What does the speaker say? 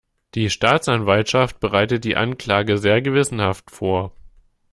Die Staatsanwaltschaft bereitet die Anklage sehr gewissenhaft vor.